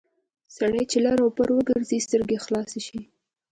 سړی چې لر او بر وګرځي سترګې یې خلاصې شي...